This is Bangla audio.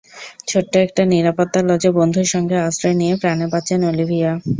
ছোট্ট একটি নিরাপত্তা লজে বন্ধুর সঙ্গে আশ্রয় নিয়ে প্রাণে বাঁচেন অলিভিয়া।